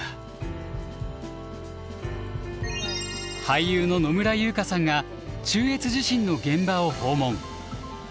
俳優の野村佑香さんが中越地震の現場を訪問。